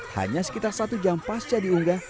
hanya sekitar satu jam pasca diunggah